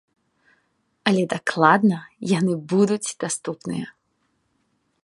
Але дакладна яны будуць даступныя.